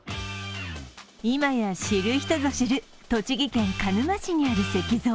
今や知る人ぞ知る、栃木県鹿沼市にある石像。